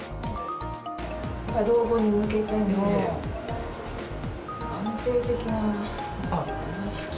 老後に向けての安定的な資金